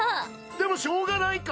でもしようがないか？